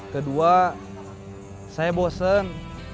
kedua saya bosen